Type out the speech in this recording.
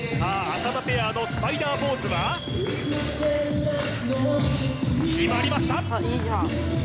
浅田ペアのスパイダーポーズは決まりました